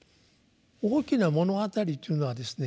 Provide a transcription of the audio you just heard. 「大きな物語」っていうのはですね